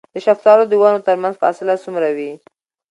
د شفتالو د ونو ترمنځ فاصله څومره وي؟